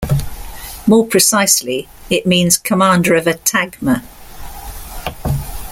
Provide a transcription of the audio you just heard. More precisely, it means "commander of a "tagma".